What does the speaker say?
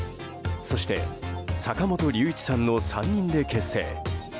そして、坂本龍一さんの３人で結成。